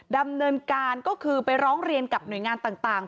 ดำเนินการก็คือไปร้องเรียนกับหน่วยงานต่าง